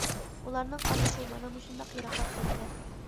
ئۇلارنىڭ ئارىلىقى مانا مۇشۇنداق يىراقلاپ كەتكەن.